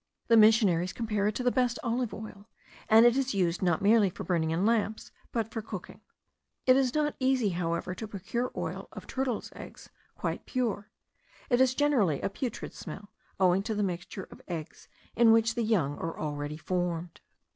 The missionaries compare it to the best olive oil, and it is used not merely for burning in lamps, but for cooking. It is not easy, however, to procure oil of turtles' eggs quite pure. It has generally a putrid smell, owing to the mixture of eggs in which the young are already formed.